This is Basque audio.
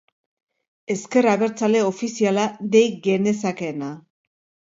Ezker Abertzale ofiziala dei genezakeena.